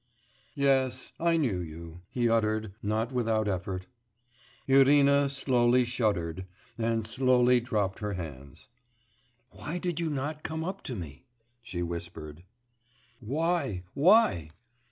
'Yes ... I knew you,' he uttered not without effort. Irina slowly shuddered, and slowly dropped her hands. 'Why did you not come up to me?' she whispered. 'Why ... why!